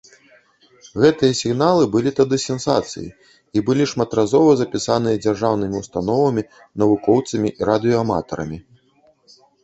Гэтыя сігналы былі тады сенсацыяй, і былі шматразова запісаныя дзяржаўнымі ўстановамі, навукоўцамі і радыёаматарамі.